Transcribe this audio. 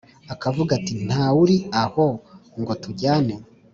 Akavuga ati nta wuri aho ngo tujyane